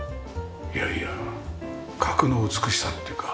いやいや角の美しさっていうかねっ。